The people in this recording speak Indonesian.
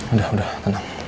udah udah tenang